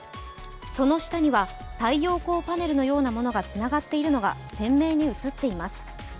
そのしたには太陽光パネルのようなものがつながっているのが鮮明に写っています。